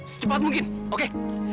secepat mungkin oke